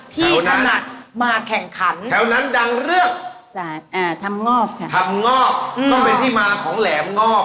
ที่ถนัดมาแข่งขัมแถวนั้นดังเลือกอ่าทำงอบค่ะทำงอบก็เป็นที่มาของแหลมงอบ